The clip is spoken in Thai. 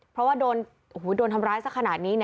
เพราะว่าโดนโมยโดนทำร้ายซะขนาดนี้